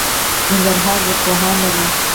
ننګرهار ژبپوهان لري